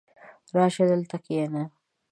راشه دلې کښېنه!